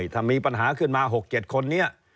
ถ้ามีปัญหาขึ้นมา๖๗คนนี้